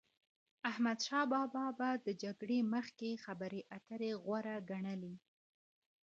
احمدشا بابا به د جګړی مخکي خبري اتري غوره ګڼلې.